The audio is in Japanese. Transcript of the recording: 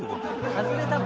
外れたの？